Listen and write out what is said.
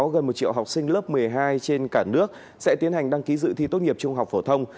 gần một triệu học sinh lớp một mươi hai trên cả nước sẽ tiến hành đăng ký dự thi tốt nghiệp trung học phổ thông